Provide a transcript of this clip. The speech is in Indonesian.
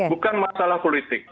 bukan masalah politik